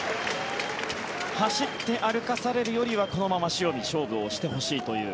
走って歩かされるよりはこのまま塩見に勝負をしてほしいという。